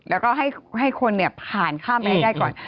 แล้วก็ให้คนผ่านข้ามไปให้ได้ก่อน